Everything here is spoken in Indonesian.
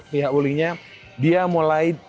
pihak ulingnya dia mulai